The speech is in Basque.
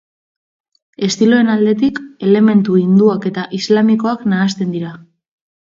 Estiloen aldetik, elementu hinduak eta islamikoak nahasten dira.